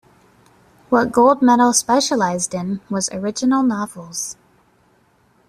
What Gold Medal specialized in was original novels.